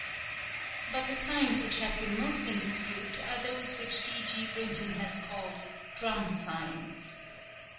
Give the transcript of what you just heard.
But the signs which have been most in dispute are those which D. G. Brinton has called "Drum Signs."